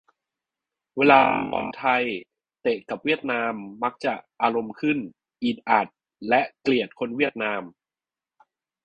เวลาดู บอลไทย เตะกับเวียดนาม มักจะอารมณ์ขึ้น อีดอัด และเกลียดคนเวียดนาม